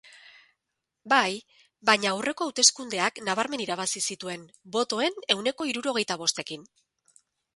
Bai, baina aurreko hauteskundeak nabarmen irabazi zituen, botoen ehuneko hirurogeita bostekin.